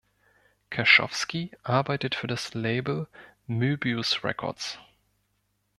Kerschowski arbeitet für das Label Möbius Rekords.